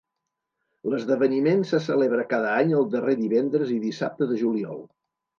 L'esdeveniment se celebra cada any el darrer divendres i dissabte de juliol.